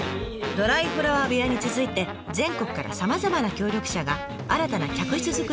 ドライフラワー部屋に続いて全国からさまざまな協力者が新たな客室作りを買って出ています。